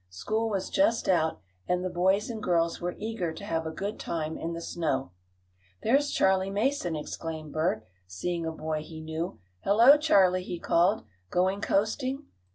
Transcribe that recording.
School was just out and the boys and girls were eager to have a good time in the snow. "There's Charley Mason!" exclaimed Bert, seeing a boy he knew. "Hello, Charley!" he called. "Going coasting?"